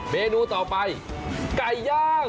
เมนูต่อไปไก่ย่าง